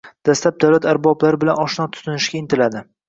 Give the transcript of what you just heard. Dastlab davlat arboblari bilan oshno tutinishga intiladi